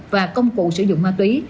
và công cụ sử dụng ma túy